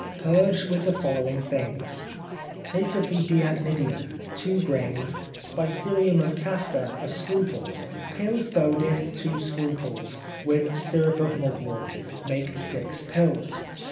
Purge with the following things; take of the diagnidium, two grains, spicierum of castor, a scruple, pill foedit two scruples, with syrup of mugwort, make six pills.